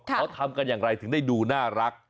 เขาทำกันอย่างไรถึงได้ดูน่ารัก